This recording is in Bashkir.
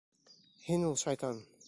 Һинул шайтан!